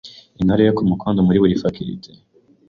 Intore yo ku mukondo muri buri faculty;